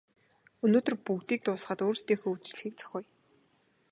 Өнөөдөр бүгдийг дуусгаад өөрсдийнхөө үдэшлэгийг зохиоё.